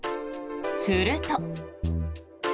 すると。